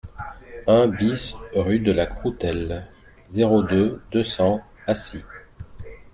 un BIS rue de la Croutelle, zéro deux, deux cents, Acy